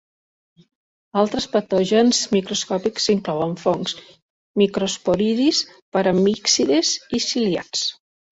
Altres patògens microscòpics inclouen fongs, microsporidis, paramyxides i ciliats.